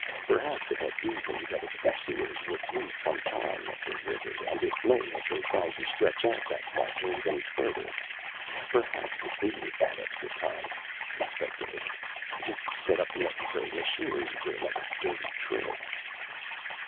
Perhaps it had reasoned that its pursuers would lose some time at the river and it may have been trying to stretch out that margin even further. Perhaps it needed that extra time, he speculated, to set up the necessary machinery for another dirty trick.